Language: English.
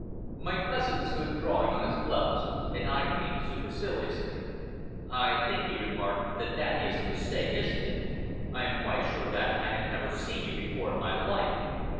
My cousin stood drawing on his gloves, and eyed me superciliously. "I think," he remarked, "that that is a mistake, isn't it? I am quite sure that I have never seen you before in my life!"